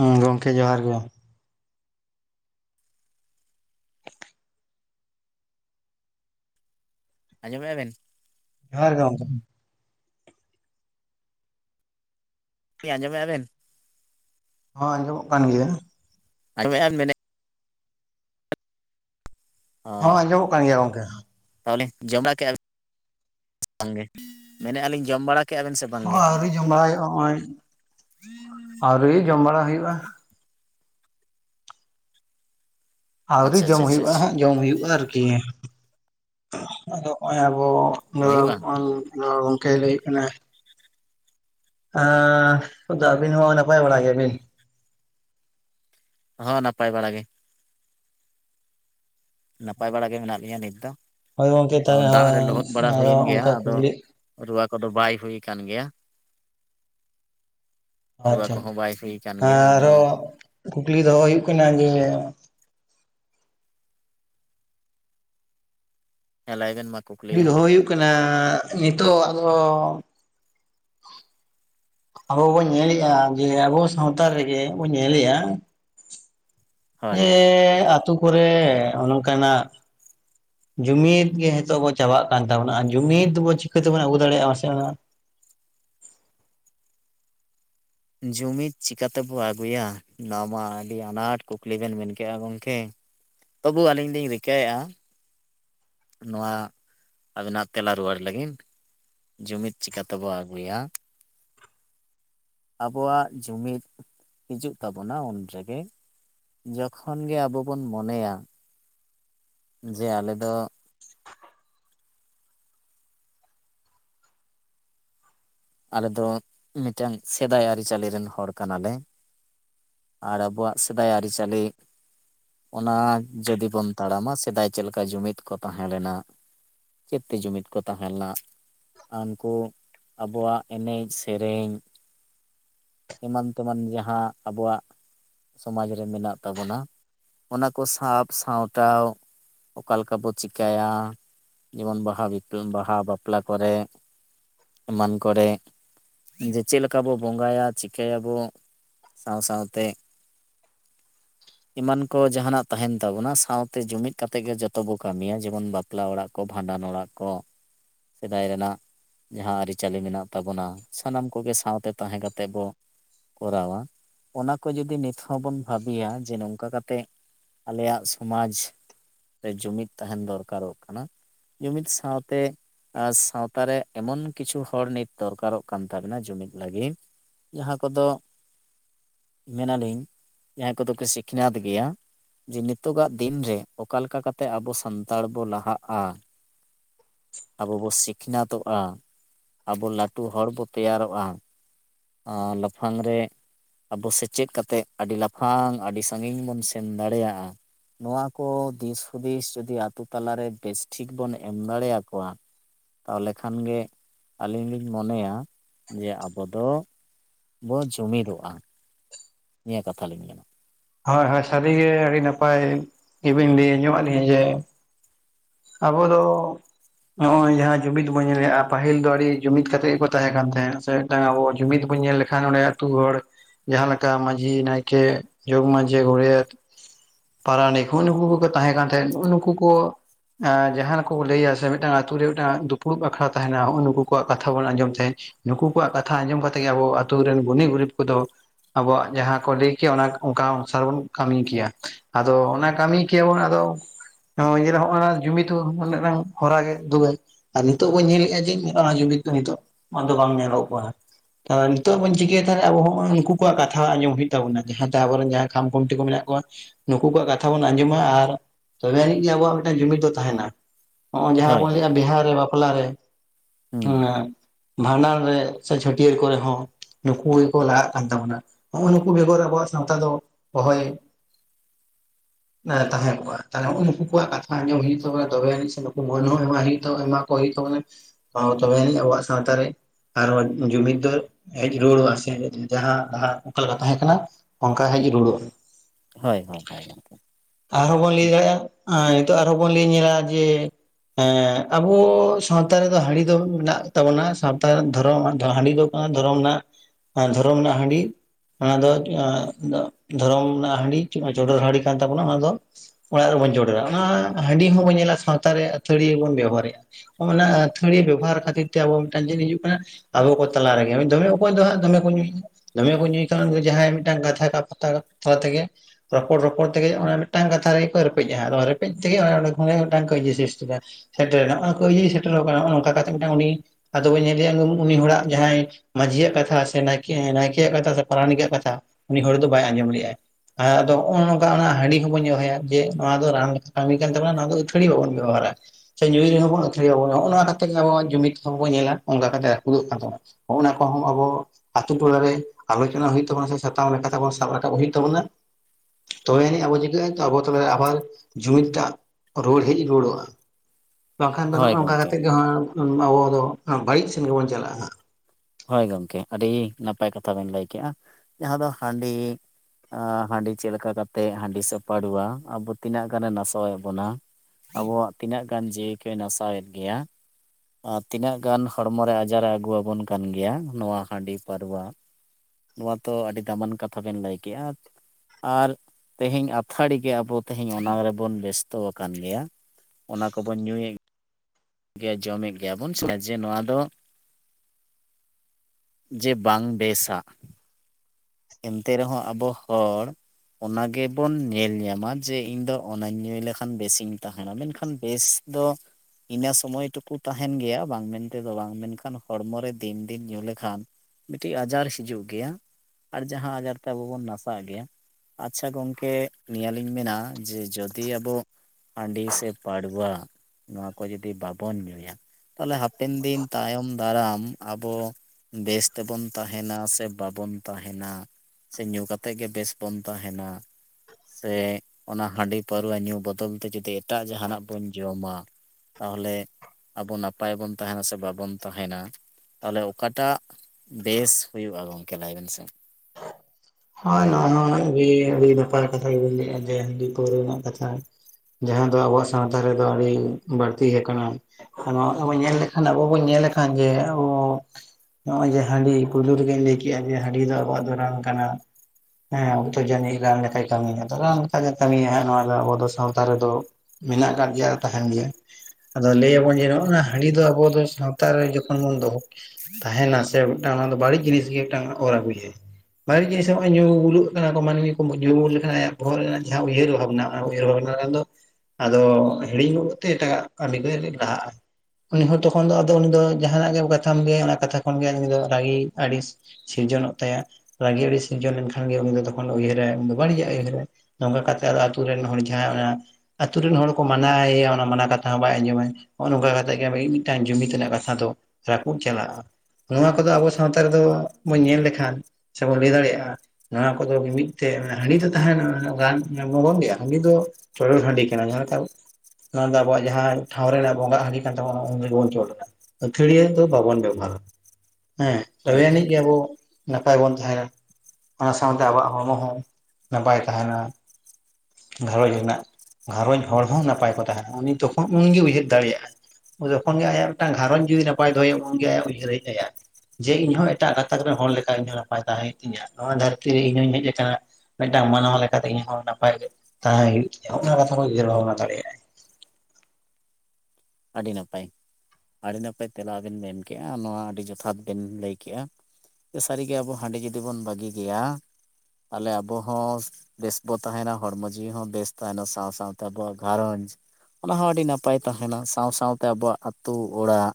ᱦᱮᱸ ᱜᱚᱝᱠᱮ ᱡᱚᱦᱟᱨ ᱜᱮ, ᱟᱸᱡᱚᱢᱮᱜ-ᱟ ᱵᱮᱱ? ᱡᱚᱦᱟᱨ ᱜᱮ ᱜᱚᱝᱠᱮ ᱦᱩᱸ ᱟᱸᱡᱚᱢᱮᱜ-ᱟ ᱵᱮᱱ? ᱦᱚᱸ ᱟᱸᱡᱚᱢᱚᱜ ᱠᱟᱱ ᱜᱮᱭᱟ᱾ ᱟᱸᱡᱚᱢᱮᱜᱼᱟ ᱢᱮᱱᱮᱜ ᱚ ᱦᱚᱸ ᱟᱸᱡᱚᱢᱚᱜ ᱠᱟᱱ ᱜᱮᱭᱟ ᱜᱚᱝᱠᱮ᱾ ᱛᱟᱦᱚᱞᱮ ᱡᱚᱢ ᱵᱟᱲᱟ ᱠᱮᱜᱼᱟ [inaudible] ᱵᱟᱝᱜᱮ ᱢᱮᱱᱮᱜ-ᱟ ᱞᱤᱧ ᱡᱚᱢ ᱵᱟᱲᱟ ᱠᱮᱫᱼᱟ ᱵᱮᱱ ᱥᱮ ᱦᱚᱸ ᱵᱟᱝᱜᱮ ᱟᱹᱣᱨᱤ ᱡᱚᱢ ᱵᱟᱲᱟ ᱦᱩᱭᱩᱜ-ᱟ ᱦᱚᱸᱜ-ᱚᱭ ᱟᱹᱣᱨᱤ ᱡᱚᱢ ᱵᱟᱲᱟ ᱦᱩᱭᱩᱜ-ᱟ᱾ ᱟᱹᱣᱨᱤ ᱟᱪᱪᱷᱟ ᱡᱚᱢ ᱟᱪᱪᱷᱟ ᱟᱪᱪᱷᱟ ᱦᱩᱭᱩᱜ-ᱟ ᱟᱪᱪᱷᱟ ᱦᱟᱸᱜ ᱡᱚᱢ ᱦᱩᱭᱩᱜ-ᱟ ᱟᱨᱠᱤ ᱟᱫᱚ ᱦᱚᱸᱜ-ᱚᱭ ᱟᱵᱚ, ᱦᱩᱭᱩᱜᱼᱟ [unintelligible] ᱜᱚᱝᱠᱮ ᱞᱟᱹᱭ ᱦᱩᱭᱩᱜ ᱠᱟᱱᱟ᱾ ᱟᱸ [unintelligible] ᱟᱹᱵᱤᱱ ᱦᱚᱸ ᱱᱟᱯᱟᱭ ᱵᱟᱲᱟ ᱜᱮᱭᱟ ᱵᱤᱱ? ᱦᱚᱸ ᱱᱟᱯᱟᱭ ᱵᱟᱲᱟ ᱜᱮ᱾ ᱱᱟᱯᱟᱭ ᱵᱟᱲᱟ ᱜᱮ ᱢᱮᱱᱟᱜ ᱞᱤᱧᱟᱹ ᱱᱤᱛ ᱫᱚ ᱦᱳᱭ ᱜᱚᱝᱠᱮ ᱚᱸ ᱛᱟᱦᱚᱞᱮ ᱫᱟᱜᱽ ᱨᱮ ᱦᱳᱭ ᱞᱚᱦᱚᱫ ᱵᱟᱲᱟ ᱟᱨᱚ ᱦᱩᱭᱮᱱ ᱜᱮᱭᱟ ᱚᱱᱠᱟ ᱟᱫᱚ, ᱠᱩᱠᱞᱤ ᱨᱩᱣᱟᱹ ᱠᱚᱫᱚ ᱵᱟᱭ ᱦᱩᱭ ᱠᱟᱱ ᱜᱮᱭᱟ᱾ ᱨᱩᱣᱟᱹ ᱟᱪᱪᱷᱟ ᱠᱚᱦᱚᱸ ᱵᱟᱭ ᱦᱩᱭ ᱠᱟᱱ ᱜᱮᱭᱟ ᱟᱫᱚ, ᱟᱨᱚ ᱠᱩᱠᱞᱤ ᱫᱚᱦᱚ ᱦᱩᱭᱩᱜ ᱠᱟᱱᱟ ᱡᱮ ᱦᱮᱸ ᱞᱟᱹᱭ ᱵᱮᱱ ᱢᱟ ᱠᱩᱠᱞᱤ ᱵᱮᱱ, ᱦᱩᱭᱩᱜ ᱠᱟᱱᱟ ᱱᱤᱛᱚᱜ ᱟᱫᱚ, ᱟᱵᱚ ᱵᱚ ᱧᱮᱞᱮᱜ-ᱟ ᱡᱮ ᱟᱵᱚ ᱥᱟᱶᱛᱟ ᱨᱮᱜᱮ ᱵᱚᱱ ᱧᱮᱞᱮᱜ-ᱟ ᱦᱳᱭ ᱡᱮ ᱟᱹᱛᱩ ᱠᱚᱨᱮ ᱚᱱ ᱚᱱᱠᱟᱱᱟᱜ ᱡᱩᱢᱤᱫ ᱜᱮ ᱦᱤᱛᱚᱜ ᱵᱚ ᱪᱟᱵᱟᱜ ᱠᱟᱱ ᱛᱟᱵᱚᱱᱟ ᱟᱨ ᱡᱩᱢᱤᱫ ᱫᱚᱵᱚ ᱪᱤᱠᱟᱹᱛᱮᱵᱚᱱ ᱟᱹᱜᱩ ᱫᱟᱲᱮᱭᱟᱜ-ᱟ ᱢᱟᱥᱮ? [unintelligible] ᱡᱩᱢᱤᱫ ᱪᱤᱠᱟ ᱛᱮᱵᱚ ᱟᱹᱜᱩᱭᱟ ᱱᱚᱣᱟ ᱢᱟ ᱟᱹᱰᱤ ᱟᱱᱟᱴ ᱠᱩᱠᱞᱤ ᱵᱮᱱ ᱢᱮᱱᱠᱮᱜ-ᱟ ᱜᱚᱝᱠᱮ᱾ ᱛᱚᱵᱩ ᱟᱹᱞᱤᱧ ᱞᱤᱧ ᱨᱤᱠᱟᱹᱭᱮᱜ-ᱟ ᱱᱚᱣᱟ ᱟᱵᱤᱱᱟᱜ ᱛᱮᱞᱟ ᱨᱩᱣᱟᱹᱲ ᱞᱟᱹᱜᱤᱱ ᱡᱩᱢᱤᱫ ᱪᱤᱠᱟ ᱛᱮᱵᱚ ᱟᱹᱜᱩᱭᱟ, ᱟᱵᱩᱣᱟᱜ ᱡᱩᱢᱤᱫ ᱦᱤᱡᱩᱜ ᱛᱟᱵᱚᱱᱟ ᱩᱱᱨᱮᱜᱮ ᱡᱚᱠᱷᱚᱱ ᱜᱮ ᱟᱵᱚ ᱵᱚᱱ ᱢᱚᱱᱮᱭᱟ ᱡᱮ ᱟᱞᱮ ᱫᱚ, ᱟᱞᱮ ᱫᱚ ᱢᱤᱜᱴᱟᱝ ᱥᱮᱫᱟᱭ ᱟᱹᱨᱤᱪᱟᱹᱞᱤ ᱨᱮᱱ ᱦᱚᱲ ᱠᱟᱱᱟᱞᱮ ᱟᱨ ᱟᱵᱚᱣᱟᱜ ᱥᱮᱫᱟᱭ ᱟᱹᱨᱤᱪᱟᱹᱞᱤ ᱚᱱᱟ ᱡᱩᱫᱤ ᱵᱚᱱ ᱛᱟᱲᱟᱢᱟ ᱥᱮᱫᱟᱭ ᱪᱮᱫ ᱞᱮᱠᱟ ᱡᱩᱢᱤᱫ ᱠᱚ ᱛᱟᱦᱮᱸ ᱞᱮᱱᱟ ᱪᱮᱫ ᱛᱮ ᱡᱩᱢᱤᱫ ᱠᱚ ᱛᱟᱦᱮᱸ ᱞᱮᱱᱟ ᱟᱸᱱ ᱩᱱᱠᱩ, ᱟᱵᱚᱣᱟᱜ ᱮᱱᱮᱡ ᱥᱮᱨᱮᱧ ᱮᱢᱟᱱ ᱛᱮᱢᱟᱱ ᱡᱟᱦᱟᱸ ᱟᱵᱚᱣᱟᱜ ᱥᱚᱢᱟᱡᱽ ᱨᱮ ᱢᱮᱱᱟᱜ ᱛᱟᱵᱚᱱᱟ᱾ ᱚᱱᱟ ᱠᱚ ᱥᱟᱵ ᱥᱟᱶᱴᱟᱣ ᱚᱠᱟ ᱞᱮᱠᱟ ᱵᱚ ᱪᱤᱠᱟᱭᱟ ᱡᱮᱢᱚᱱ ᱵᱟᱦᱟ ᱵᱤᱛᱟᱹᱢ‌ ᱵᱟᱦᱟ ᱵᱟᱯᱞᱟ ᱠᱚᱨᱮ, ᱮᱢᱟᱱ ᱠᱚᱨᱮ ᱡᱮ ᱪᱮᱜ ᱞᱮᱠᱟ ᱵᱚ ᱵᱚᱸᱜᱟᱭᱟ ᱪᱤᱠᱟ ᱭᱟᱵᱚ ᱥᱟᱶᱼᱥᱟᱶᱛᱮ [inaudible] ᱮᱢᱟᱱ ᱠᱚ ᱡᱟᱦᱟᱸ ᱱᱟᱜ ᱛᱟᱦᱮᱸᱱ ᱛᱟᱵᱚᱱᱟ ᱥᱟᱶᱛᱮ ᱡᱩᱢᱤᱫ ᱠᱟᱛᱮ ᱜᱮ ᱡᱚᱛᱚ ᱵᱚ ᱠᱟᱢᱤᱭᱟ ᱡᱮᱢᱚᱱ ᱵᱟᱯ ᱯᱞᱟ ᱚᱲᱟᱜ ᱠᱚ ᱵᱷᱟᱸᱰᱟᱱ ᱚᱲᱟᱜ ᱠᱚ ᱥᱮᱫᱟᱭ ᱨᱮᱱᱟᱜ ᱡᱟᱦᱟᱸ ᱟᱹᱨᱤᱪ, ᱪᱟᱹᱞᱤ ᱢᱮᱱᱟᱜ ᱛᱟᱵᱚᱱᱟ ᱥᱟᱱᱟᱢ ᱠᱚᱜᱮ ᱥᱟᱶᱛᱮ ᱛᱟᱦᱮᱸ ᱠᱟᱛᱮᱜ ᱵᱚᱼᱼ ᱠᱚᱨᱟᱣᱟ ᱚᱱᱟ ᱠᱚ ᱡᱩᱫᱤ ᱱᱤᱛ ᱦᱚᱸ ᱵᱚᱱ ᱵᱷᱟᱵᱤᱭᱟ ᱡᱮ ᱱᱚᱝᱠᱟ ᱠᱟᱛᱮᱜᱼᱼ ᱟᱞᱮᱭᱟᱜ ᱥᱚᱢᱟᱡᱽ ᱨᱮ ᱡᱩᱢᱤᱫ ᱛᱟᱦᱮᱱ ᱫᱚᱨᱠᱟᱨᱚᱜ ᱠᱟᱱᱟ᱾ ᱡᱩᱢᱤᱫ ᱥᱟᱶᱛᱮ ᱥᱟᱶᱛᱟ ᱨᱮ ᱮᱢᱚᱱᱼᱼ ᱠᱤᱪᱷᱩ ᱦᱚᱲ ᱱᱤᱛ ᱫᱚᱨᱠᱟᱨᱚᱜ ᱠᱟᱱ ᱛᱟᱵᱤᱱᱟ ᱡᱩᱢᱤᱫ ᱞᱟᱹᱜᱤᱫ ᱡᱟᱦᱟᱸ ᱠᱚᱫᱚᱼᱼ ᱢᱮᱱᱟ ᱱᱤᱧ ᱡᱟᱦᱟᱸᱭ ᱠᱚᱫᱚ ᱠᱚ ᱥᱤᱠᱷᱱᱟᱹᱛᱷ ᱜᱮᱭᱟ᱾ ᱡᱮ ᱱᱤᱛᱚᱜᱟᱜ ᱫᱤᱱ ᱨᱮ ᱚᱠᱟ ᱞᱮᱠᱟ ᱠᱟᱛᱮᱜ ᱟᱵᱚ ᱥᱟᱱᱛᱟᱲ ᱵᱚ ᱞᱟᱦᱟᱜ-ᱟ᱾ ᱟᱵᱚ ᱵᱚ ᱥᱤᱠᱷᱱᱟᱹᱛᱚᱜ-ᱟ᱾ ᱟᱵᱚ ᱞᱟᱴᱩ ᱦᱚᱲ ᱵᱚ ᱛᱮᱭᱟᱨᱚᱜ-ᱟ᱾ ᱟᱻ ᱞᱟᱯᱷᱟᱝ ᱨᱮ ᱟᱵᱚ ᱥᱮᱪᱮᱜ ᱠᱟᱛᱮᱜ ᱟᱹᱰᱤ ᱞᱟᱯᱷᱟᱝ ᱟᱰᱤᱼᱼ ᱥᱟᱺᱜᱤᱧ ᱵᱚᱱ ᱥᱮᱱ ᱫᱟᱲᱮᱭᱟᱜ-ᱟ ᱾ ᱱᱚᱣᱟ ᱠᱚ ᱫᱤᱥᱼᱦᱩᱫᱤᱥ ᱡᱩᱫᱤ ᱟᱹᱛᱩ ᱛᱟᱞᱟᱨᱮ ᱵᱮᱥ ᱴᱷᱤᱠ ᱵᱚᱱ ᱮᱢ ᱫᱟᱲᱮ ᱭᱟᱠᱚᱣᱟ᱾ ᱛᱟᱣᱞᱮ ᱠᱷᱟᱱ ᱜᱮ ᱟᱹᱞᱤᱧ ᱞᱤᱧ ᱢᱚᱱᱮᱭᱟ ᱡᱮ ᱟᱵᱚ ᱫᱚᱼᱼ ᱵᱚ ᱡᱩᱢᱤᱫᱚᱜ-ᱟ᱾ ᱱᱤᱭᱟᱹ ᱠᱟᱛᱷᱟ ᱞᱤᱧ ᱢᱮᱱᱟ᱾ ᱦᱚᱭ ᱦᱚᱭ ᱥᱟᱹᱨᱤ ᱜᱮ ᱟᱹᱰᱤ ᱱᱟᱯᱟᱭ ᱜᱮᱵᱤᱱ ᱞᱮᱭ ᱟᱸᱡᱚᱢ ᱟᱜ ᱞᱤᱧᱟᱹ ᱡᱮᱼᱼ ᱟᱵᱚ ᱫᱚᱼᱼ ᱱᱚᱜ-ᱚᱭ ᱡᱟᱦᱟᱸ ᱡᱩᱢᱤᱫ ᱵᱚᱱ ᱧᱮᱞᱮᱜ-ᱟ ᱯᱟᱦᱤᱞ ᱫᱚ ᱟᱹᱰᱤ ᱡᱩᱢᱤᱫ ᱠᱟᱛᱮᱜ ᱜᱮᱠᱚ ᱛᱟᱦᱮᱸ ᱠᱟᱱ ᱛᱟᱦᱮᱸᱜ-ᱟ ᱥᱮᱼᱼ ᱡᱟᱜᱟ ᱟᱵᱚ ᱡᱩᱢᱤᱫ ᱵᱚᱱ ᱧᱮᱞ ᱞᱮᱠᱷᱟᱱ ᱚᱸᱰᱮ ᱟᱹᱛᱩ ᱦᱚᱲᱼᱼ ᱡᱟᱦᱟᱸ ᱞᱮᱠᱟ ᱢᱟᱺᱡᱷᱤ ᱱᱟᱭᱠᱮ ᱡᱚᱜᱽ ᱢᱟᱸᱡᱷᱮ‌ ᱜᱚᱲᱮᱛᱼᱼ ᱯᱟᱨᱟᱱᱤᱠ ᱦᱚᱸ ᱱᱩᱠᱩ ᱠᱚ ᱠᱚ ᱛᱟᱦᱮᱸ ᱠᱟᱱ ᱛᱮᱦᱮᱸᱜ ᱱᱩᱠᱩ ᱠᱚᱼᱼ ᱟᱨ ᱡᱟᱦᱟᱸ ᱟᱠᱚ ᱠᱚ‌ᱞᱟᱹᱭᱟ ᱥᱮ ᱢᱤᱫᱴᱟᱝ ᱟᱹᱛᱩ ᱨᱮ ᱢᱤᱫᱴᱟᱝ ᱫᱩᱯᱲᱩᱵ ᱟᱠᱷᱲᱟ ᱛᱟᱦᱮᱱᱟ ᱦᱚᱸᱜ-ᱚ ᱱᱩᱠᱩ ᱠᱚᱣᱟᱜ ᱠᱟᱛᱷᱟ ᱵᱚᱱ ᱟᱸᱡᱚᱢ ᱪᱟᱦᱮᱸᱡ᱾ ᱱᱩᱠᱩ ᱠᱚᱣᱟᱜ ᱠᱟᱛᱷᱟ ᱟᱸᱡᱚᱢ ᱠᱟᱛᱮᱜ ᱜᱮ ᱟᱵᱚ ᱟᱹᱛᱩ ᱨᱮᱱ ᱜᱩᱱᱤ ᱜᱩᱨᱤᱵᱽ ᱠᱩ ᱫᱚᱼᱼ ᱟᱵᱚᱣᱟᱜ ᱡᱟᱦᱟᱸ ᱠᱚ ᱞᱟᱹᱭ ᱠᱮ ᱚᱱᱟ ᱚᱝᱠᱟ ᱚᱱᱥᱟᱨ ᱵᱚᱱ ᱠᱟᱢᱤ ᱠᱮᱭᱟ᱾ ᱟᱫᱚ ᱚᱱᱟ ᱠᱟᱢᱤ ᱠᱮᱭᱟ ᱵᱚᱱ ᱟᱫᱚ [unintelligible] ᱡᱩᱢᱤᱫ ᱦᱚᱸ [unintelligible] ᱦᱚᱨᱟ ᱜᱮ ᱫᱩᱣᱟᱹᱲ᱾ ᱟᱨ ᱱᱤᱛᱚᱜ ᱵᱚᱱ ᱧᱮᱞᱮᱜ-ᱟ ᱡᱮ ᱦᱚᱸᱜᱼᱱᱟ ᱡᱩᱢᱤᱫ ᱫᱚ ᱱᱤᱛᱚᱜ ᱟᱫᱚ ᱵᱟᱝ ᱧᱮᱞᱚᱜᱚᱜ ᱠᱟᱱᱟ᱾ ᱛᱟᱞᱟ‌ ᱱᱤᱛᱚᱜ ᱵᱚᱱ ᱪᱤᱠᱟᱹᱭᱟ ᱛᱷᱟᱞᱮ ᱟᱵᱚ ᱦᱚᱸ ᱱᱩᱠᱩ ᱠᱚᱣᱟᱜ ᱠᱟᱛᱷᱟ ᱟᱸᱡᱚᱢ ᱦᱩᱭᱩᱜ ᱛᱟᱵᱚᱱᱟ ᱡᱟᱦᱟᱸ ᱛᱮ ᱟᱵᱚ ᱨᱮᱱ ᱡᱟᱦᱟᱸᱭ ᱠᱷᱟᱢ ᱠᱷᱩᱱᱴᱤ ᱠᱚ ᱢᱮᱱᱟᱜ ᱠᱚᱣᱟ᱾ ᱱᱩᱠᱩ ᱠᱚᱣᱟᱜ ᱠᱟᱛᱷᱟ ᱵᱚᱱ ᱟᱸᱡᱚᱢᱟ ᱟᱨ ᱛᱚᱵᱮ ᱟᱹᱱᱤᱡ ᱜᱮ ᱟᱵᱚᱣᱟᱜ ᱢᱤᱫᱴᱟᱝ ᱡᱩᱢᱤᱫ ᱫᱚᱼᱼ ᱛᱟᱦᱮᱱᱟ ᱦᱚᱸᱜ-ᱚᱭ ᱡᱟᱦᱟᱸ ᱵᱚ ᱦᱳᱭ ᱦᱳᱭ ᱞᱟᱹᱭᱮᱜ-ᱟ ᱵᱤᱦᱟ ᱨᱮ ᱵᱟᱯᱞᱟ ᱨᱮ, ᱦᱩᱸ ᱩᱱᱟ᱾ ᱵᱷᱟᱸᱰᱟᱱ ᱨᱮ ᱥᱮ ᱪᱷᱟᱹᱴᱭᱟᱹᱨ ᱠᱚᱨᱮ ᱦᱚᱸᱼᱼ ᱱᱩᱠᱩ ᱜᱮᱠᱚ ᱞᱟᱦᱟᱜ ᱠᱟᱱ ᱛᱟᱵᱚᱱᱟ ᱚᱱᱩᱠᱩ ᱵᱮᱜᱚᱨ ᱨᱮ ᱟᱵᱚᱣᱟᱜ ᱥᱟᱶᱛᱟ ᱫᱚ ᱚᱦᱚᱭᱼᱼ ᱱᱮ ᱛᱟᱦᱮᱸ ᱠᱚᱜ-ᱟ ᱛᱟᱞᱦᱮ ᱦᱩᱸᱜ-ᱩ ᱱᱩᱠᱩ ᱠᱚᱣᱟᱜ ᱠᱟᱛᱷᱟ ᱟᱸᱡᱚᱢ ᱦᱩᱭᱩᱜᱼᱼ ᱛᱚᱵᱮ ᱛᱚᱵᱮ ᱟᱹᱱᱤᱡ ᱥᱮ ᱱᱩᱠᱩ ᱢᱟᱹᱱ ᱦᱚᱸ ᱮᱢᱟ ᱦᱩᱭᱩᱜ ᱛᱟᱵᱚᱱᱟ ᱮᱢᱟ ᱠᱚ ᱦᱩᱭᱩᱜ ᱛᱟᱵᱚᱱᱟ ᱚᱻᱛᱚᱵᱮ ᱟᱹᱱᱤᱡ ᱟᱵᱚᱣᱟᱜ ᱥᱟᱶᱛᱟ ᱨᱮ ᱟᱨᱚ ᱡᱩᱢᱤᱫ ᱫᱚ ᱦᱮᱡ ᱨᱩᱣᱟᱹᱲᱚᱜ-ᱟ ᱥᱮ ᱡᱟᱦᱟᱸ ᱞᱟᱦᱟ ᱚᱠᱟ ᱞᱮᱠᱟ ᱛᱟᱦᱮᱸ ᱠᱟᱱᱟ᱾ ᱚᱝᱠᱟ ᱦᱮᱡ ᱨᱩᱣᱟᱹᱲᱚᱜ-ᱟ᱾ ᱦᱚᱭ ᱦᱚᱭ ᱦᱚᱭ ᱜᱚᱝᱠᱮ᱾ ᱟᱨ ᱦᱚᱸ ᱵᱚᱱ ᱞᱟᱹᱭ ᱫᱟᱲᱮᱭᱟᱜ-ᱟ ᱟᱸ ᱱᱤᱛᱚᱜ ᱟᱨᱦᱚᱸ ᱵᱚᱱ ᱞᱟᱹᱭ ᱧᱮᱞᱟ ᱡᱮᱼᱼ ᱮᱸᱜ ᱟᱵᱚ ᱥᱟᱶᱛᱟ ᱨᱮᱫᱚ ᱦᱟᱸᱲᱤ ᱫᱚ ᱢᱮᱱᱟᱜ ᱛᱟᱵᱚᱱᱟ ᱥᱟᱶᱛᱟ ᱫᱷᱚᱨᱚᱢ ᱟᱨ ᱫᱚ ᱦᱟᱺᱰᱤ ᱫᱚᱼᱼ ᱱᱚᱶᱟ ᱫᱷᱚᱨᱚᱢ ᱱᱟᱜ ᱟᱨ ᱫᱷᱚᱨᱚᱢ ᱨᱮᱱᱟᱜ ᱦᱟᱺᱰᱤᱼᱼ ᱚᱱᱟ ᱫᱚ [inaudible] ᱫᱷᱚᱨᱚᱢ ᱱᱟᱜ ᱦᱟᱺᱰᱤ ᱪᱤᱜ ᱵᱟ ᱪᱚᱰᱚᱨ ᱦᱟᱸᱲᱤ ᱠᱟᱱ ᱛᱟᱵᱚᱱᱟ ᱚᱱᱟ ᱫᱚ᱾ ᱚᱲᱟᱜ ᱨᱮᱵᱚᱱ ᱪᱚᱰᱚᱨᱟ ᱚᱱᱟ ᱦᱟᱺᱰᱤ ᱦᱚᱸ ᱵᱚᱱ ᱧᱮᱞᱟ ᱥᱟᱶᱛᱟ ᱨᱮ ᱟᱹᱛᱷᱟᱹᱲᱤᱭᱟᱹ ᱵᱚᱱ ᱵᱮᱵᱚᱦᱟᱨᱮᱜ-ᱟ᱾ ᱚᱱᱟ ᱟᱹᱛᱷᱟᱹᱲᱤᱭᱟ ᱵᱮᱵᱚᱦᱟᱨ ᱠᱷᱟᱹᱛᱤᱨ ᱛᱮ ᱟᱵᱚ ᱢᱤᱫᱴᱟᱱ ᱡᱤᱱ ᱦᱤᱡᱩᱜ ᱠᱟᱱᱟ ᱾ ᱟᱵᱚ ᱠᱚ ᱛᱟᱞᱟ ᱨᱮᱜᱮ ᱫᱚᱢᱮ ᱚᱠᱚᱭ ᱫᱚ ᱦᱟᱸᱜ ᱫᱚᱢᱮ ᱠᱚ ᱧᱩᱭᱮᱜ ᱾ ᱫᱚᱢᱮ ᱠᱚ ᱧᱩᱭ ᱠᱷᱟᱱ ᱩᱱᱠᱩ ᱡᱟᱦᱟᱸᱭ ᱢᱤᱫᱴᱟᱝ ᱠᱟᱛᱷᱟ ᱠᱟᱯᱛᱟᱨᱚᱜ ᱛᱟᱞᱟ ᱛᱮᱜᱮ ᱾ ᱨᱚᱯᱚᱲ ᱨᱚᱯᱚᱲ ᱛᱮᱜᱮ ᱚᱱᱮ ᱢᱤᱫᱴᱟᱝ ᱠᱟᱛᱷᱟ ᱨᱮᱜᱮᱠᱚ ᱨᱮᱯᱮᱡᱼᱟ ᱟᱫᱚ ᱨᱮᱯᱮᱡ ᱛᱮᱜᱮ ᱚᱱ ᱚᱸᱰᱮ ᱠᱷᱚᱱ ᱜᱮ ᱠᱟᱣᱡᱟ. ᱥᱤᱥᱴᱤ-ᱟ ᱦᱟᱹᱴ ᱮᱲᱮ ᱩᱱᱠᱩ ᱤᱛᱟᱹ ᱥᱮᱴᱮᱨ ᱠᱟᱱᱟ ᱱᱚᱝᱠᱟ ᱠᱟᱛᱮ ᱢᱤᱫᱴᱟᱝ ᱩᱱᱤ ᱟᱫᱚ ᱵᱟᱧ ᱧᱮᱞᱮᱭᱟ ᱩᱱᱤ ᱦᱚᱲᱟᱜ ᱡᱟᱦᱟᱸᱭ ᱢᱟᱹᱡᱷᱤᱭᱟᱜ ᱠᱟᱛᱷᱟ ᱥᱮ ᱱᱟᱭᱠᱮ ᱦᱮ ᱱᱟᱭᱠᱮᱭᱟᱜ ᱠᱟᱛᱷᱟ ᱥᱮ ᱯᱟᱨᱟᱱᱤᱠᱟᱜ ᱠᱟᱛᱷᱟ ᱩᱱᱤ ᱦᱚᱲ ᱫᱚ ᱵᱟᱭ ᱟᱸᱡᱚᱢ ᱞᱮᱜᱟ᱾ ᱟ ᱟᱫᱚ ᱦᱚᱜᱚ ᱱᱚᱝᱠᱟ ᱚᱱᱟ ᱦᱟᱹᱰᱤ ᱦᱚᱸᱵᱚ ᱧᱩᱭᱟ ᱡᱮ ᱱᱚᱣᱟ ᱫᱚ ᱨᱟᱱ ᱞᱮ ᱦᱟᱹᱰᱤ ᱠᱟᱱ ᱛᱟᱵᱱᱟ ᱱᱚᱭᱟ ᱫᱚ ᱟᱹᱛᱷᱟᱹᱲᱤ ᱵᱟᱵᱚᱱ ᱵᱮᱵᱚᱦᱟᱨᱟ ᱥᱮ ᱧᱩᱭᱮᱫ ᱨᱮᱦᱚᱸᱵᱚᱱ ᱟᱹᱛᱷᱟᱹᱲᱤ ᱵᱟᱵᱚᱱ ᱱᱚᱜᱼᱚ ᱠᱟᱛᱮ ᱜᱮ ᱟᱵᱚ ᱡᱩᱢᱤᱫ ᱦᱚᱸᱠᱚᱸ ᱧᱮᱞᱟ ᱚᱱᱠᱟ ᱠᱟᱛᱮᱜ ᱨᱟᱯᱩᱫᱚᱜ ᱠᱟᱱ ᱛᱟᱵᱚᱱᱟ ᱦᱚᱸᱜᱚᱱᱟ ᱠᱚᱦᱚᱸ ᱟᱵᱚ ᱟᱛᱩ ᱴᱚᱟᱨᱮ ᱟᱞᱳᱪᱚᱱᱟ ᱦᱩᱭᱩᱜ ᱛᱟᱵᱚᱱᱟ ᱥᱮ ᱥᱟᱛᱟᱢ ᱞᱮᱠᱟᱛᱮ ᱥᱟᱵ ᱨᱟᱠᱟᱵ ᱦᱩᱭᱩᱜ ᱛᱟᱵᱚᱱᱟ᱾ ᱛᱚᱵᱮ ᱟᱱᱤᱡ ᱟᱵᱚ ᱡᱩᱫᱟᱹ ᱟᱵᱚ ᱛᱟᱞᱟᱞᱮ ᱟᱵᱟᱞ ᱡᱩᱢᱤᱫ ᱴᱟᱜ ᱨᱩᱣᱟᱹᱲ ᱦᱮᱡ ᱨᱩᱣᱟᱹᱲᱚᱜᱼᱟ ᱵᱟᱝᱠᱷᱟᱱ ᱫᱚ ᱱᱚᱜ ᱦᱳᱭ ᱱᱚᱝᱠᱟ ᱜᱚᱢᱠᱮ ᱠᱟᱛᱮᱜ ᱜᱮᱦᱟᱜ ᱟᱵᱚ ᱫᱚ ᱵᱟᱹᱲᱤᱡ ᱥᱮᱱ ᱜᱮᱵᱚᱱ ᱪᱟᱞᱟᱜᱼᱟ ᱦᱟᱸᱜ ᱦᱳᱭ ᱜᱚᱝᱠᱮ ᱟᱹᱰᱤ ᱱᱟᱯᱟᱭ ᱠᱟᱛᱷᱟ ᱵᱮᱱ ᱞᱟᱹᱭ ᱠᱮᱜᱼᱟ ᱡᱟᱦᱟᱸ ᱫᱚ ᱦᱟᱹᱰᱤ ᱟ ᱦᱟᱹᱰᱤ ᱪᱮᱫ ᱞᱮᱠᱟ ᱠᱟᱛᱮᱜ ᱦᱟᱹᱰᱤ ᱥᱮ ᱯᱟᱲᱩᱣᱟ ᱟᱵᱚ ᱛᱤᱱᱟᱹᱜ ᱜᱟᱱᱮ ᱱᱟᱥᱚᱣᱮᱫ ᱵᱚᱱᱟ ᱟᱵᱚᱣᱟᱜ ᱛᱤᱱᱟᱹᱜ ᱜᱟᱱ ᱡᱤᱣᱤ ᱠᱮ ᱱᱟᱥᱟᱣᱮᱫ ᱜᱮᱭᱟ ᱟ ᱛᱤᱱᱟᱹᱜ ᱜᱟᱱ ᱦᱚᱲᱢᱚ ᱨᱮ ᱟᱡᱟᱨ ᱮ ᱟᱹᱜᱩ ᱟᱵᱚᱱ ᱠᱟᱱ ᱜᱮᱭᱟ ᱱᱚᱣᱟ ᱦᱟᱹᱰᱤ ᱯᱟᱹᱨᱣᱟ ᱱᱚᱣᱟ ᱛᱚ ᱟᱹᱰᱤ ᱫᱟᱢᱟᱱ ᱠᱟᱛᱷᱟ ᱵᱮᱱ ᱞᱟᱹᱭ ᱠᱮᱜᱼᱟ᱾ ᱟᱨ ᱛᱮᱦᱮᱧ ᱟᱛᱷᱟᱲᱤ ᱜᱮ ᱟᱵᱚ ᱛᱮᱦᱮᱧ ᱚᱱᱟ ᱨᱮᱵᱚᱱ ᱵᱮᱥᱛᱚ ᱠᱟᱱ ᱜᱮᱭᱟ ᱚᱱᱟ ᱠᱚᱵᱚᱱ ᱧᱩᱭᱮᱫ ᱜᱮᱭᱟ ᱡᱚᱢᱮᱫ ᱜᱮᱭᱟᱵᱚᱱ ᱥᱟᱡᱮ ᱱᱚᱣᱟ ᱫᱚ ᱡᱮ ᱵᱟᱝ ᱵᱮᱥᱟ ᱮᱱᱛᱮ ᱨᱮᱦᱚᱸ ᱟᱵᱚ ᱦᱚᱲ ᱚᱱᱟ ᱜᱮᱵᱚᱱ ᱧᱮᱞ ᱧᱟᱢᱟ ᱡᱮ ᱤᱧ ᱫᱚ ᱚᱱᱟᱧ ᱧᱩᱭ ᱞᱮᱠᱷᱟᱱ ᱵᱮᱥᱤᱧ ᱛᱟᱦᱮᱱᱟ ᱢᱮᱱᱠᱷᱟᱱ ᱵᱮᱥ ᱫᱚ ᱤᱱᱟᱹ ᱥᱚᱢᱚᱭ ᱴᱩᱠᱩ ᱛᱟᱦᱮᱱ ᱜᱮᱭᱟ ᱵᱟᱝ ᱢᱮᱱᱛᱮᱫᱚ ᱵᱟᱝ ᱢᱮᱱᱠᱷᱟᱱ ᱦᱚᱲᱢᱚ ᱨᱮ ᱫᱤᱱ ᱫᱤᱱ ᱧᱩ ᱞᱮᱠᱷᱟᱱ ᱢᱤᱫᱴᱤᱡ ᱟᱡᱟᱨ ᱦᱤᱡᱩᱜ ᱜᱮᱭᱟ ᱟᱨ ᱡᱟᱦᱟᱸ ᱟᱡᱟᱨ ᱛᱮ ᱟᱵᱚ ᱵᱚᱱ ᱱᱟᱥᱟᱜ ᱜᱮᱭᱟ ᱟᱪᱪᱷᱟ ᱜᱚᱝᱠᱮ ᱱᱤᱭᱟᱹᱞᱤᱧ ᱢᱮᱱᱟ ᱡᱮ ᱡᱚᱫᱤ ᱟᱵᱚ ᱦᱟᱹᱰᱤ ᱥᱮ ᱯᱟᱹᱲᱣᱟ ᱱᱚᱣᱟ ᱠᱚ ᱡᱩᱫᱤ ᱵᱟᱵᱚᱱ ᱧᱩᱭᱟ᱾ ᱛᱟᱦᱟᱞᱮ ᱦᱟᱯᱮᱱ ᱫᱤᱱ ᱛᱟᱭᱚᱢ ᱫᱟᱨᱟᱢ ᱟᱵᱚ ᱵᱮᱥ ᱛᱮᱵᱚᱱ ᱛᱟᱦᱮᱱᱟ ᱥᱮ ᱵᱟᱵᱚᱱ ᱛᱟᱦᱮᱱᱟ ᱥᱮ ᱧᱩ ᱠᱟᱛᱮᱫ ᱜᱮ ᱵᱮᱥ ᱵᱚᱱ ᱛᱟᱦᱮᱱᱟ ᱥᱮ ᱚᱱᱟ ᱦᱟᱹᱰᱤ ᱯᱟᱹᱨᱣᱟᱹ ᱧᱩ ᱵᱚᱫᱚᱞ ᱛᱮ ᱡᱩᱫᱤ ᱮᱴᱟᱜ ᱡᱟᱦᱟᱱᱟᱜ ᱵᱚᱱ ᱡᱚᱢᱟ ᱛᱟᱦᱚᱞᱮ ᱟᱵᱚ ᱱᱟᱯᱟᱭ ᱵᱚᱱ ᱛᱟᱦᱮᱱᱟ ᱥᱮ ᱵᱟᱵᱚᱱ ᱛᱟᱦᱮᱱᱟ? ᱛᱟᱦᱚᱞᱮ ᱚᱠᱟᱴᱟᱜ ᱵᱮᱥ ᱦᱩᱭᱩᱜᱼᱟ ᱜᱚᱝᱠᱮ ᱞᱟᱭᱵᱮᱱ ᱥᱮ? ᱦᱳᱭ ᱦᱳᱭ ᱱᱚᱜ ᱟᱹᱰᱤ ᱟᱹᱰᱤ ᱱᱟᱯᱟᱭ ᱠᱟᱛᱷᱟ ᱜᱮᱵᱮᱱ ᱞᱟᱹᱭᱮᱼᱟ ᱡᱮ ᱦᱟᱹᱰᱤ ᱯᱟᱹᱣᱨᱟᱹ ᱨᱮᱱᱟᱜ ᱠᱟᱛᱷᱟ ᱡᱟᱦᱟᱸ ᱫᱚ ᱟᱵᱚᱣᱟᱜ ᱥᱟᱶᱛᱟ ᱨᱮᱫᱚ ᱟᱹᱰᱤ ᱵᱟᱹᱲᱛᱤ ᱦᱟᱠᱟᱱᱟ ᱠᱷᱚᱱᱟᱜ ᱵᱚᱱ ᱧᱮᱞ ᱞᱮᱠᱷᱟᱱ ᱟᱵᱚ ᱵᱚᱱ ᱧᱮᱞ ᱞᱮᱠᱷᱟᱱ ᱡᱮ ᱚ ᱱᱚᱜᱚᱭ ᱡᱮ ᱦᱟᱹᱰᱤ ᱯᱳᱭᱞᱳ ᱨᱮᱜᱮᱧ ᱞᱟᱹᱭ ᱠᱮᱜᱼᱟ ᱡᱮ ᱦᱟᱹᱰᱤ ᱫᱚ ᱟᱵᱚᱣᱟᱜ ᱫᱚ ᱨᱟᱱ ᱠᱟᱱᱟ᱾ ᱦᱮᱸ ᱚᱠᱛᱚ ᱡᱟᱹᱱᱤᱡ ᱨᱟᱱ ᱞᱮᱠᱟᱭ ᱠᱟᱹᱢᱤᱭᱟ ᱨᱟᱱ ᱞᱮᱠᱟᱭ ᱠᱟᱹᱢᱤᱭᱟ ᱛᱚ ᱨᱟᱱ ᱞᱮᱠᱟ ᱜᱮ ᱠᱟᱢᱤᱭᱟ ᱱᱚᱣᱟ ᱫᱚ ᱟᱵᱚ ᱫᱚ ᱥᱟᱶᱛᱟ ᱨᱮᱫᱚ ᱢᱮᱱᱟᱜ ᱠᱟᱫ ᱜᱮᱭᱟ ᱟᱨ ᱛᱟᱦᱮᱱ ᱜᱮᱭᱟ ᱟᱫᱚ ᱞᱟᱹᱭᱟᱵᱚᱱ ᱡᱮ ᱱᱚᱜ ᱱᱚᱣᱟ ᱦᱟᱹᱰᱤ ᱫᱚ ᱟᱵᱚ ᱫᱚ ᱥᱟᱶᱛᱟ ᱨᱮ ᱡᱚᱠᱷᱚᱱ ᱵᱚᱱ ᱫᱚᱦᱚ ᱠᱮ ᱛᱟᱦᱮᱱᱟ ᱥᱮ ᱢᱤᱫᱴᱟᱝ ᱚᱱᱟ ᱫᱚ ᱵᱟᱹᱲᱤᱡ ᱡᱤᱱᱤᱥ ᱜᱮ ᱢᱤᱫᱴᱟᱝ ᱚᱨ ᱟᱜᱩᱭᱟᱭ ᱵᱟᱹᱲᱤᱡ ᱥᱮ ᱱᱚᱜᱚᱭ ᱧᱩ ᱵᱩᱞᱩᱜ ᱠᱟᱱᱟ ᱠᱚ ᱢᱟᱱᱢᱤ ᱠᱩ ᱧᱩ ᱵᱩᱞ‌ ᱞᱮᱠᱷᱟᱱ ᱟᱭᱟᱜ ᱵᱚᱦᱚᱜ ᱨᱮᱱᱟᱜ ᱡᱟᱦᱟᱸ ᱩᱭᱦᱟᱹᱨ ᱵᱷᱟᱵᱽᱱᱟ ᱚᱱᱟ ᱩᱭᱦᱟᱹᱨ ᱵᱷᱟᱵᱱᱟ ᱫᱚ ᱟᱫᱚ ᱦᱤᱲᱤᱧ ᱧᱚᱜ ᱠᱟᱛᱮ ᱮᱴᱟᱜᱟᱜ ᱠᱟᱹᱢᱤ ᱠᱚᱭ ᱞᱟᱦᱟᱜᱼᱟ ᱩᱱᱤ ᱦᱚᱸ ᱛᱚᱠᱷᱚᱱ ᱫᱚ ᱩᱱᱤ ᱫᱚ ᱡᱟᱦᱟᱱᱟᱜ ᱜᱮ ᱠᱟᱛᱷᱟᱢ ᱞᱟᱹᱭᱟ ᱚᱱᱟ ᱠᱟᱛᱷᱟ ᱠᱷᱚᱱᱜᱮ ᱩᱱᱤᱫᱚ ᱨᱟᱹᱜᱤ ᱟᱲᱤᱥ ᱥᱤᱨᱡᱚᱱᱚᱜ ᱛᱟᱭᱟ ᱨᱟᱹᱜᱤ ᱟᱹᱲᱤᱥ ᱥᱤᱨᱡᱚᱱ ᱞᱮᱱᱠᱷᱟᱱ ᱜᱮ ᱩᱱᱤ ᱫᱚ ᱛᱚᱠᱷᱚᱱ ᱩᱭᱦᱟᱹᱨ ᱩᱱᱫᱚ ᱵᱟᱹᱲᱤᱡᱟᱜ ᱮ ᱩᱭᱦᱟᱹᱨᱟ ᱱᱚᱝᱠᱟ ᱠᱟᱛᱮ ᱟᱫᱚ ᱟᱛᱩ ᱨᱮᱱ ᱦᱚᱲ ᱡᱟᱦᱟᱸ ᱚᱱᱟ ᱟᱛᱩᱨ ᱨᱮᱱ ᱦᱚᱲ ᱠᱚ ᱢᱟᱱᱟᱭᱮᱭᱟ ᱚᱱᱟ ᱢᱟᱱᱟ ᱠᱟᱛᱷᱟ ᱦᱚᱸ ᱵᱟᱭ ᱟᱸᱡᱚᱢᱟᱭ ᱾ ᱱᱚᱜᱼᱚ ᱱᱚᱝᱠᱟ ᱠᱟᱛᱮᱜ ᱜᱮ ᱢᱤ ᱢᱫᱴᱟᱱ ᱡᱩᱢᱤᱫ ᱨᱮᱱᱟᱜ ᱠᱟᱛᱷᱟ ᱫᱚ ᱨᱟᱹᱯᱩᱫ ᱪᱟᱞᱟᱜᱼᱟ ᱾ ᱱᱚᱣᱟ ᱠᱚᱫᱚ ᱟᱵᱚ ᱥᱟᱶᱛᱟ ᱨᱮᱫᱚ ᱵᱚᱱ ᱧᱮᱞ ᱞᱮᱠᱷᱟᱱ ᱥᱮᱵᱚᱱ ᱞᱟᱹᱭ ᱫᱟᱲᱮᱭᱟᱜᱼᱟ ᱾ ᱱᱚᱣᱟ ᱠᱚᱫᱚ ᱢᱤ ᱢᱤᱫ ᱛᱮ ᱦᱟᱺᱰᱤ ᱫᱚ ᱛᱟᱦᱮᱱᱟ ᱨᱟᱱ [unintelligible] ᱞᱟᱹᱭᱟ ᱦᱟᱺᱰᱤ ᱫᱚ ᱪᱚᱰᱚᱨ ᱦᱟᱺᱰᱤ ᱠᱟᱱᱟ ᱡᱟᱦᱟᱸ ᱛᱮ ᱟᱵᱚ ᱱᱚᱣᱟ ᱫᱚ ᱟᱵᱚᱣᱟᱜ ᱡᱟᱦᱟᱸ ᱴᱷᱟᱶ ᱨᱮᱱᱟᱜ ᱵᱚᱸᱜᱟᱜ ᱦᱺᱰᱤ ᱠᱟᱱ ᱛᱟᱵᱚᱱᱟ ᱩᱱ ᱨᱮᱜᱮ ᱵᱚᱱ ᱪᱚᱰᱚᱨᱟ ᱾ ᱟᱹᱛᱷᱲᱤᱭᱟᱹ ᱫᱚ ᱵᱟᱵᱚᱱ ᱵᱮᱵᱚᱦᱟᱨᱟ ᱦᱮᱸ ᱦᱳᱭ ᱛᱚᱵᱮ ᱟᱹᱱᱤᱡ ᱜᱮ ᱜᱚᱝᱠᱮ ᱟᱵᱚ ᱱᱟᱯᱟᱭ ᱵᱚᱱ ᱛᱟᱦᱮᱱᱟ ᱾ ᱚᱱᱟ ᱥᱟᱶᱛᱮ ᱟᱵᱚᱣᱟᱜ ᱦᱚᱲᱢᱚ ᱦᱚᱸ ᱱᱟᱯᱟᱭ ᱛᱟᱦᱮᱱᱟ ᱾ ᱜᱷᱟᱨᱨᱚᱸᱡᱽ ᱨᱮᱱᱟᱜ ᱜᱷᱟᱨᱚᱸᱡᱽ ᱦᱚᱲ ᱦᱚᱸ ᱱᱟᱯᱟᱭ ᱠᱚ ᱛᱟᱦᱮᱱᱟ, ᱩᱱᱤ ᱛᱚᱠᱷᱚᱱ ᱩᱱᱜᱮ ᱩᱭᱦᱟᱹᱨ ᱫᱟᱲᱮᱭᱟᱜ-ᱟᱭ ᱡᱚᱠᱷᱚᱱ ᱜᱮ ᱟᱭᱟᱜ ᱢᱤᱫᱴᱟᱝ ᱜᱷᱟᱨᱚᱸᱡᱽ ᱡᱩᱫᱤ ᱱᱟᱯᱟᱭ ᱫᱚᱦᱚᱭᱟ ᱩᱱᱜᱮ ᱟᱭᱟᱜ ᱩᱭᱦᱟᱹᱨ ᱦᱮᱡ ᱟᱭᱟ᱾ ᱡᱮ ᱤᱧᱦᱚᱸ ᱮᱴᱟᱜ ᱜᱟᱛᱟᱠ ᱨᱮᱱ ᱦᱚᱲ ᱞᱮᱠᱟ ᱤᱧᱦᱚᱸ ᱱᱟᱯᱟᱭ ᱛᱟᱦᱮᱸ ᱦᱩᱭᱩᱜ ᱛᱤᱧᱟᱹ ᱱᱚᱣᱟ ᱫᱷᱟᱹᱨᱛᱤ ᱨᱮ ᱤᱧ ᱦᱚᱧ ᱦᱮᱡ ᱟᱠᱟᱱᱟ ᱢᱤᱫᱴᱟᱝ ᱢᱟᱱᱟᱣᱟ ᱞᱮᱠᱟᱛᱮ ᱤᱧ ᱦᱚᱸ ᱱᱟᱯᱟᱭ ᱜᱮ ᱛᱟᱦᱮᱸ ᱦᱩᱭᱩᱜ ᱛᱤᱧᱟᱹ ᱦᱚᱜ-ᱚᱱᱟ ᱠᱟᱛᱷᱟ ᱠᱚᱭ ᱩᱭᱦᱟᱹᱨ ᱵᱷᱟᱵᱽᱱᱟ ᱫᱟᱲᱮᱭᱟᱜᱼᱟ ᱾ ᱟᱹᱰᱤ ᱱᱟᱯᱟᱭ, ᱟᱹᱰᱤ ᱱᱟᱯᱟᱭ ᱛᱮᱞᱟ ᱵᱤᱱ ᱢᱮᱱ ᱠᱮᱜᱼᱟ ᱱᱚᱣᱟ ᱟᱹᱰᱤ ᱡᱚᱛᱷᱟᱛ ᱵᱮᱤᱱ ᱞᱟᱹᱭ ᱠᱮᱜᱼᱟ ᱾ ᱥᱟᱹᱨᱤᱜᱮ ᱟᱵᱚ ᱦᱟᱺᱰᱤ ᱡᱩᱫᱤ ᱵᱚᱱ ᱵᱟᱹᱜᱤ ᱜᱮᱭᱟ ᱛᱟᱦᱚᱞᱮ ᱟᱵᱚ ᱦᱚᱸ ᱵᱮᱥ ᱵᱚ ᱛᱟᱦᱮᱱᱟ ᱦᱚᱲᱢᱚ ᱡᱤᱣᱤ ᱦᱚᱸ ᱵᱮᱥ ᱛᱟᱦᱮᱱᱟ, ᱥᱟᱶ ᱥᱟᱶᱛᱮ ᱟᱵᱚᱣᱟᱜ ᱜᱷᱟᱨᱚᱸᱡᱽ ᱚᱱᱟ ᱦᱚᱸ ᱟᱹᱰᱤ ᱱᱟᱯᱟᱭ ᱛᱟᱦᱮᱱᱟ ᱾ ᱥᱟᱶ ᱥᱟᱶᱛᱮ ᱟᱵᱚᱣᱟᱜ ᱟᱛᱩ ᱚᱲᱟᱜ,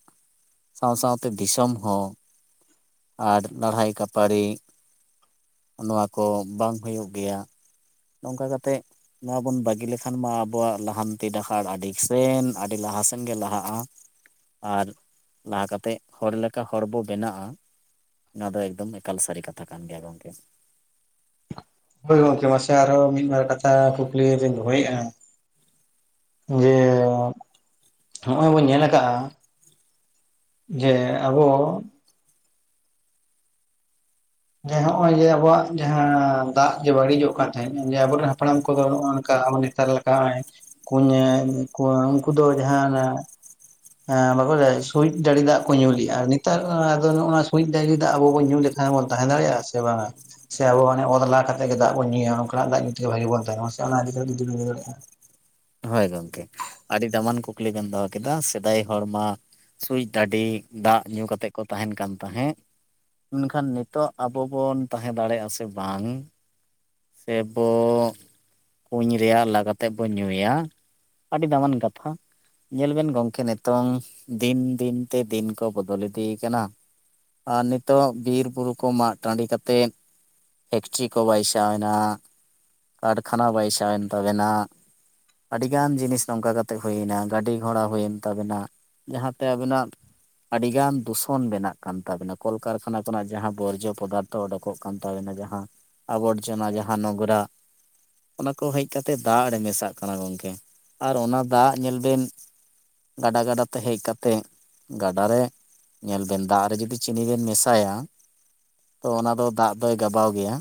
ᱥᱟᱶ ᱥᱟᱶᱛᱮ ᱫᱤᱥᱚᱢ ᱦᱚᱸ ᱾ ᱟᱨ ᱞᱟᱹᱲᱦᱟᱹᱭ ᱠᱟᱹᱯᱟᱨᱤ ᱱᱚᱣᱟ ᱠᱚ ᱵᱟᱝ ᱦᱩᱭᱩᱜ ᱜᱮᱭᱟ ᱾ ᱱᱚᱝᱠᱟ ᱠᱟᱛᱮᱜ ᱱᱚᱣᱟ ᱵᱚᱱ ᱵᱟᱹᱜᱤ ᱞᱮᱠᱷᱟᱱ ᱢᱟ ᱟᱵᱚᱣᱟᱜ ᱞᱟᱦᱟᱱᱛᱤ ᱰᱟᱦᱟᱨ ᱟᱹᱰᱤ ᱥᱮᱱ ᱟᱹᱰᱤ ᱞᱟᱦᱟ ᱥᱮᱱ ᱜᱮ ᱞᱟᱦᱟᱜᱼᱟ ᱾ ᱟᱨ ᱞᱟᱦᱟ ᱠᱟᱛᱮᱫ ᱦᱚᱲ ᱞᱮᱠᱟ ᱦᱚᱲ ᱵᱚ ᱵᱮᱱᱟᱜᱼᱟ ᱾ ᱱᱚᱣᱟ ᱫᱚ ᱮᱠᱫᱚᱢ ᱮᱠᱟᱞ ᱥᱟᱨᱤ ᱠᱟᱛᱷᱟ ᱠᱟᱱ ᱜᱮᱭᱟ ᱜᱚᱝᱠᱮ ᱾ ᱦᱚᱳᱭ ᱜᱚᱝᱠᱮ ᱢᱟᱥᱮ ᱟᱨᱚ ᱢᱤᱫ ᱵᱟᱨ ᱠᱟᱛᱷᱟ ᱠᱩᱠᱞᱤ ᱞᱤᱧ ᱫᱚᱦᱚᱭᱮᱫᱼᱟ, ᱡᱮ ᱦᱚᱜᱼᱚᱭ ᱵᱚᱱ ᱧᱮᱞ ᱟᱠᱟᱜ-ᱟ ᱡᱮ ᱟᱵᱚ ᱡᱮ ᱦᱚᱜ-ᱚᱭ ᱡᱮ ᱟᱵᱚᱣᱟᱜ ᱡᱟᱦᱟᱸ ᱫᱟᱜ ᱡᱮ ᱵᱟᱹᱲᱤᱡᱚᱜ ᱠᱟᱱ ᱛᱟᱦᱮᱸᱫ ᱡᱮ ᱟᱵᱚᱨᱮᱱ ᱦᱟᱯᱲᱟᱢ ᱠᱚᱫᱚ ᱱᱚᱜ-ᱚᱝᱠᱟ ᱢᱟᱱᱮ ᱱᱮᱛᱟᱨ ᱞᱮᱠᱟ ᱦᱚᱸᱜᱼᱚᱭ ᱠᱩᱧ [unintelligible] ᱩᱱᱠᱩ‌ ᱩᱱᱠᱩ ᱫᱚ ᱡᱟᱦᱟᱸ ᱚᱱᱟ ᱵᱟᱠᱚ ᱞᱟᱹᱭᱟ ᱥᱩᱡ ᱰᱟᱰᱤ ᱫᱟᱜ ᱠᱚ ᱧᱩ ᱞᱮᱜᱼᱟ, ᱱᱮᱛᱟᱨ ᱟᱫᱚ ᱱᱚᱣᱟ ᱥᱩᱪ ᱰᱟᱰᱤ ᱫᱟᱜ ᱟᱵᱚ ᱵᱚᱱ ᱧᱩ ᱞᱮᱠ ᱦᱮᱸ ᱵᱚᱱ ᱛᱟᱦᱮᱸ ᱫᱟᱲᱮᱭᱟᱜᱼᱟ ᱥᱮ ᱵᱟᱝᱟ? ᱥᱮ ᱟᱵᱚ ᱚᱱᱮ ᱚᱛ ᱞᱟ ᱠᱟᱛᱮᱜ ᱜᱮ ᱫᱟᱜ ᱵᱚᱱ ᱧᱩᱭᱟ ᱚᱱᱠᱟᱱᱟᱜ ᱫᱟᱜ ᱧᱩ ᱛᱮᱜᱮ ᱵᱷᱟᱜᱤ ᱵᱚᱱ ᱛᱟᱦᱮᱱᱟ? ᱢᱟᱥᱮ ᱚᱱᱟ ᱤᱫᱤ ᱠᱟᱛᱮ ᱡᱩᱫᱤ ᱵᱮᱱ ᱫᱟᱲᱮᱜ [unintelligible] ᱦᱳᱭ ᱜᱚᱢᱠᱮ ᱟᱹᱰᱤ ᱫᱟᱢᱟᱱ ᱠᱩᱠᱞᱤ ᱵᱮᱱ ᱫᱚᱦᱚ ᱠᱮᱫᱟ, ᱥᱮᱫᱟᱭ ᱦᱚᱲ ᱢᱟ ᱥᱩᱸᱡ ᱰᱟᱰᱤ ᱫᱟᱜ ᱧᱩ ᱠᱟᱛᱮᱫ ᱠᱚ ᱛᱟᱦᱮᱱ ᱠᱟᱱ ᱛᱟᱦᱮᱸᱫ ᱢᱮᱱᱠᱷᱟᱱ ᱱᱤᱛᱚᱜ ᱟᱵᱚ ᱵᱚᱱ ᱛᱟᱦᱮᱸ ᱫᱟᱲᱮᱜᱼᱟ ᱥᱮ ᱵᱟᱝ? ᱥᱮ ᱵᱚ ᱠᱩᱧ ᱨᱮᱭᱟᱜ ᱞᱟ ᱠᱟᱛᱮᱜ ᱵᱚ ᱧᱩᱭᱟ? ᱟᱹᱰᱤ ᱫᱟᱢᱟᱱ ᱠᱟᱛᱷᱟ ᱾ ᱧᱮᱞ ᱵᱮᱱ ᱜᱚᱢᱠᱮ ᱱᱤᱛᱚᱝ ᱫᱤᱱ ᱫᱤᱱ ᱛᱮ ᱫᱤᱱ ᱠᱚ ᱵᱚᱫᱚᱞ ᱤᱫᱤᱭ ᱠᱟᱱᱟ ᱾ ᱟᱨ ᱱᱤᱛᱚᱜ ᱵᱤᱨ ᱵᱩᱨᱩ ᱠᱚ ᱢᱟᱜ ᱴᱟᱺᱰᱤ ᱠᱟᱛᱮᱫ ᱯᱷᱮᱠᱴᱨᱤ ᱠᱚ ᱵᱟᱹᱭ ᱪᱟᱣᱱᱟ, ᱠᱟᱨᱠᱷᱟᱱᱟ ᱵᱟᱭᱥᱟᱹᱣ ᱮᱱ ᱛᱟᱵᱱᱟ ᱟᱹᱰᱤ ᱜᱟᱱ ᱡᱤᱱᱤᱥ ᱱᱚᱝᱠᱟ ᱠᱟᱛᱮᱜ ᱦᱩᱭᱱᱟ ᱜᱟᱹᱰᱤ ᱜᱷᱚᱲᱟ ᱦᱩᱭᱮᱱ ᱛᱟᱵᱮᱱᱟ, ᱡᱟᱦᱟᱸᱛᱮ ᱟᱵᱤᱱᱟᱜ ᱟᱹᱰᱤ ᱜᱟᱱ ᱫᱩᱥᱚᱱ ᱵᱮᱱᱟᱜ ᱠᱟᱱ ᱛᱟᱵᱮᱱᱟ, ᱠᱚᱞ ᱠᱟᱨᱠᱷᱟᱱᱟ ᱠᱷᱚᱱᱟᱜ ᱡᱟᱦᱟᱸ ᱵᱚᱨᱡᱚ ᱯᱚᱫᱟᱨ ᱛᱚ ᱚᱰᱚᱠᱚᱜ ᱠᱟᱱ ᱛᱟᱵᱮᱱᱟ ᱡᱟᱦᱟᱸ ᱟᱵᱚᱨᱡᱚᱱᱟ, ᱡᱟᱦᱟᱸ ᱱᱚᱝᱨᱟ ᱚᱱᱟ ᱠᱚ ᱦᱮᱡ ᱠᱟᱛᱮ ᱫᱟᱜ ᱨᱮ ᱢᱮᱥᱟᱜ ᱠᱟᱱᱟ ᱜᱚᱢᱠᱮ, ᱟᱨ ᱚᱱᱟ ᱫᱟᱜ ᱧᱮᱞ ᱵᱮᱱ ᱜᱟᱰᱟ ᱜᱟᱰᱟ ᱛᱮ ᱦᱮᱡ ᱠᱟᱛᱮ ᱜᱟᱰᱟᱨ ᱨᱮ ᱧᱮᱞ ᱵᱮᱱ ᱫᱟᱜ ᱨᱮ ᱡᱩᱚᱫᱤ ᱪᱤᱱᱤ ᱵᱮᱱ ᱢᱮᱥᱟᱭᱟ ᱛᱚ ᱚᱱᱟ ᱫᱚ ᱫᱟᱜ ᱫᱚᱭ ᱜᱟᱵᱟᱣ ᱜᱮᱭᱟ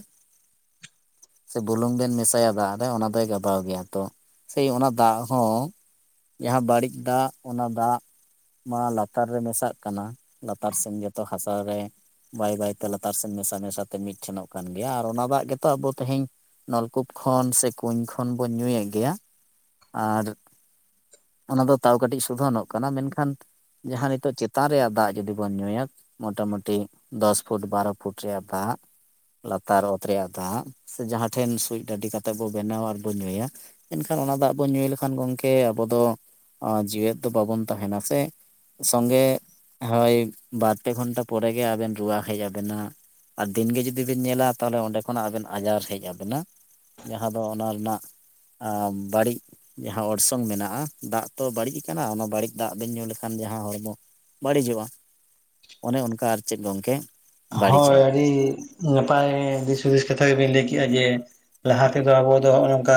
ᱥᱮ ᱵᱩᱞᱩᱝ ᱵᱮᱱ ᱢᱮᱥᱟᱭᱟ ᱫᱟᱜ ᱨᱮ ᱚᱱᱟ ᱫᱚᱭ ᱜᱟᱵᱟᱣ ᱜᱮᱭᱟ ᱛᱚ ᱥᱮᱭ ᱚᱱᱟ ᱫᱟᱜ ᱦᱚᱸ ᱡᱟᱦᱟᱸ ᱵᱟᱹᱲᱤᱡ ᱫᱟᱜ ᱚᱱᱟ ᱫᱟᱜᱽ ᱢᱟ ᱞᱟᱛᱟᱨ ᱨᱮ ᱢᱮᱥᱟᱜ ᱠᱟᱱᱟ ᱞᱟᱛᱟᱨ ᱥᱮᱱ ᱡᱚᱛᱚ ᱦᱟᱥᱟ ᱨᱮ ᱵᱟᱭ ᱵᱟᱭ ᱛᱮ ᱞᱟᱛᱟᱨ ᱥᱮᱱ ᱢᱮᱥᱟ ᱢᱮᱥᱟ ᱛᱮ ᱢᱤᱫ ᱴᱷᱮᱱᱚᱜ ᱠᱟᱱ ᱜᱮᱭᱟ ᱟᱨ ᱚᱱᱟ ᱫᱟᱜᱽ ᱜᱮ ᱛᱚ ᱟᱵᱚ ᱛᱮᱦᱮᱧ ᱱᱚᱞᱠᱩᱯ ᱠᱷᱚᱱ ᱥᱮ ᱠᱩᱧ ᱠᱷᱚᱱ ᱵᱚᱱ ᱧᱩᱭᱮᱜ ᱜᱮᱭᱟ᱾ ᱟᱨ ᱚᱱᱟ ᱫᱚ ᱛᱟᱣ ᱠᱟᱹᱴᱤᱡ ᱥᱩᱫᱷᱚᱱᱚᱜ ᱠᱟᱱᱟ ᱢᱮᱱᱠᱷᱟᱱ ᱡᱟᱦᱟᱸ ᱱᱤᱛᱚᱜ ᱪᱮᱛᱟᱱ ᱨᱮᱭᱟᱜ ᱫᱟᱜ ᱡᱩᱫᱤ ᱵᱚᱱ ᱧᱩᱭᱟ ᱢᱚᱴᱟ ᱢᱩᱴᱤ ᱫᱚᱥ ᱯᱷᱩᱴ ᱵᱟᱨᱚ ᱯᱷᱩᱴ ᱨᱮᱭᱟᱜ ᱫᱟᱜᱽ ᱞᱟᱛᱟᱨ ᱚᱛ ᱨᱮᱭᱟᱜ ᱫᱟᱜ ᱥᱮ ᱡᱟᱦᱟᱸ ᱴᱷᱮᱱ ᱥᱩᱡ ᱰᱟᱹᱰᱤ ᱠᱟᱛᱮᱫ ᱵᱚ ᱵᱮᱱᱟᱣᱟ ᱟᱨ ᱵᱚ ᱧᱩᱭᱟ ᱢᱮᱱᱠᱷᱟᱱ ᱚᱱᱟ ᱫᱟᱜ ᱵᱚᱱ ᱧᱩᱭ ᱞᱮᱠᱷᱟᱱ ᱜᱚᱝᱠᱮ ᱟᱵᱚ ᱫᱚ ᱡᱮᱣᱮᱛ ᱫᱚ ᱵᱟᱵᱚᱱ ᱛᱟᱦᱮᱱᱟ ᱥᱮ ᱥᱚᱸᱜᱮ ᱦᱳᱭ ᱵᱟᱨ ᱯᱮ ᱜᱷᱚᱱᱴᱟ ᱯᱚᱨᱮ ᱜᱮ ᱟᱵᱮᱱ ᱨᱩᱣᱟᱹ ᱦᱮᱡ ᱟᱵᱮᱱᱟ ᱟᱨ ᱫᱤᱱᱜᱮ ᱡᱩᱫᱤ ᱵᱮᱤᱱ ᱧᱮᱞᱟ ᱛᱟᱦᱚᱞᱮ ᱚᱸᱰᱮ ᱚᱱᱟ ᱟᱵᱮᱱ ᱟᱡᱟᱨ ᱦᱮᱡ ᱟᱵᱮᱱᱟ ᱡᱟᱦᱟᱸ ᱫᱚ ᱚᱱᱟ ᱨᱮᱱᱟᱜ ᱟᱸ ᱵᱟᱹᱲᱤᱡ ᱡᱟᱦᱟᱸ ᱚᱲᱥᱚᱝ ᱢᱮᱱᱟᱜᱼᱟ ᱫᱟᱜ ᱛᱚ ᱵᱟᱹᱲᱤᱡ ᱟᱠᱟᱱᱟ ᱚᱱᱟ ᱵᱟᱹᱲᱤᱡ ᱫᱟᱜᱽ ᱵᱮᱱ ᱧᱩ ᱞᱮᱠᱷᱟᱱ ᱡᱟᱦᱟᱸ ᱦᱚᱲᱢᱚ ᱵᱟᱹᱲᱤᱡᱚᱜᱼᱟ ᱚᱱᱮ ᱚᱱᱠᱟ ᱟᱨ ᱪᱮᱜ ᱜᱚᱝᱠᱮ ᱦᱳᱭ ᱟᱹᱰᱤ ᱱᱟᱯᱟᱭ ᱫᱤᱥ ᱦᱩᱫᱤᱥ ᱠᱟᱛᱷᱟ ᱜᱮᱵᱤᱱ ᱞᱟᱹᱭ ᱠᱮᱜᱼᱟ ᱡᱮ ᱞᱟᱦᱟ ᱛᱮᱫᱚ ᱟᱵᱚ ᱫᱚ ᱦᱚᱸᱜ-ᱚ ᱱᱚᱝᱠᱟ